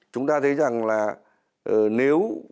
chúng ta thấy rằng là nếu